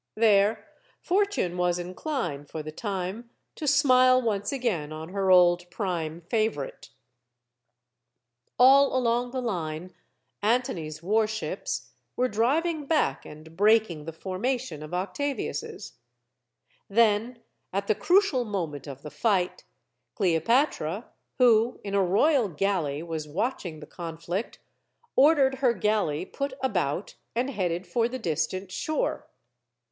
There Fortune was inclined for the time to smile once again on her old prime favorite. All along the line, Antony's warships were driving back and breaking the formation of Octavius*. Then, at the crucial moment of the fight, Cleopatra, who, in a royal galley, was watching the conflict, or dered her galley put about and headed for the distant shore.